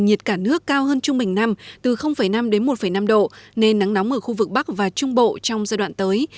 nhiệt cả nước cao hơn trung bình năm từ năm đến một năm độ nên nắng nóng ở khu vực bắc và trung bộ trong giai đoạn tới